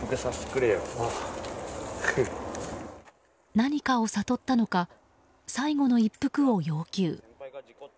何かを悟ったのか最後の一服を要求。